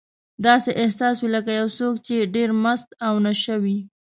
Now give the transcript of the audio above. داسې احساس وي لکه یو څوک چې ډېر مست او نشه وي.